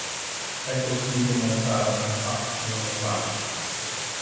É possível montar um parquinho no parque?